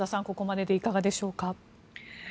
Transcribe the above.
ここまででいかがでしょうか。